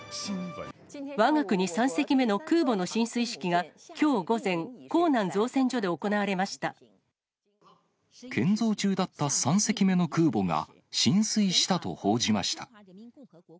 わが国３隻目の空母の進水式が、きょう午前、建造中だった３隻目の空母が進水したと報じました。